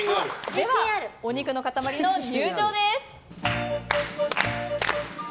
ではお肉の塊の入場です。